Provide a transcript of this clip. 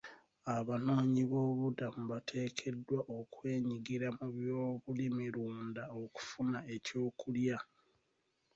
Abanoonyi b'obubuddamu bateekeddwa okwenyigira mu by'obulimirunda okufuna eky'okulya.